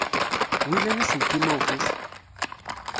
Wilan aselkim-a ufus?